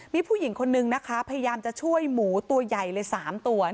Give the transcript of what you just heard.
มีผู้หญิงคนนึงนะคะพยายามจะช่วยหมูตัวใหญ่เลย๓ตัว